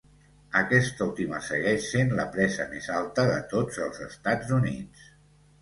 Aquesta última segueix sent la presa més alta de tots els Estats Units.